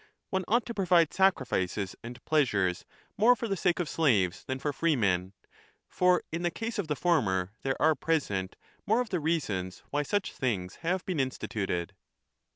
One ought to provide sacrifices and pleasures more for the sake of slaves than for freemen ; for in the case of the former there are present more of the reasons why such things have been instituted.